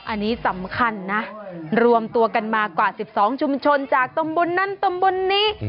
อันนี้สำคัญนะรวมตัวกันมากว่า๑๒ชุมชนจากตำบลนั้นตำบลนี้